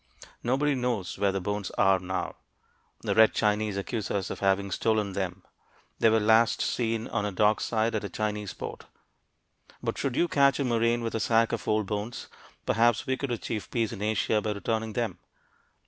Nobody knows where these bones are now. The Red Chinese accuse us of having stolen them. They were last seen on a dock side at a Chinese port. But should you catch a Marine with a sack of old bones, perhaps we could achieve peace in Asia by returning them!